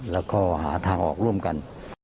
แล้วก็หาทางออกร่วมกัน